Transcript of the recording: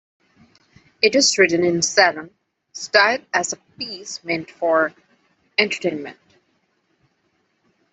It is written in Salon style as a piece meant for entertainment.